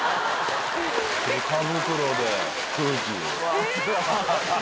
デカ袋で空気。